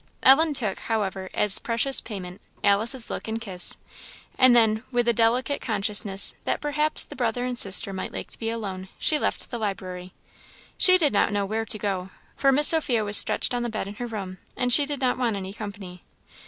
Ellen took, however, as precious payment, Alice's look and kiss; and then, with a delicate consciousness that perhaps the brother and sister might like to be alone, she left the library. She did not know where to go, for Miss Sophia was stretched on the bed in her room, and she did not want any company.